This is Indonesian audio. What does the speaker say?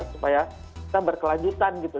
supaya kita berkelanjutan gitu